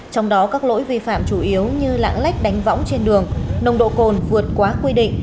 trong đó các lỗi vi phạm chủ yếu như lãng lách đánh võng trên đường nồng độ cồn vượt quá quy định